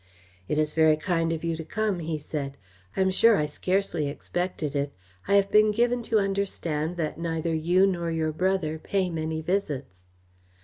"It is very kind of you to come," he said. "I am sure I scarcely expected it. I have been given to understand that neither you nor your brother pay many visits."